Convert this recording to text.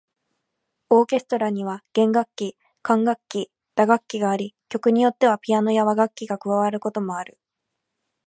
オーケストラには弦楽器、管楽器、打楽器があり、曲によってはピアノや和楽器が加わることもある。